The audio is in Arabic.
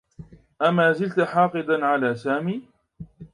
أمازلت حاقدا على سامي؟